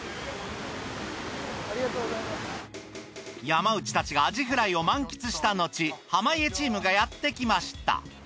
山内たちがアジフライを満喫したのち濱家チームがやってきました。